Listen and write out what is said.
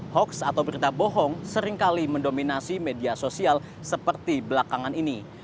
hoax atau berita bohong seringkali mendominasi media sosial seperti belakangan ini